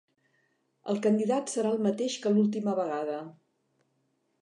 El candidat serà el mateix que l'última vegada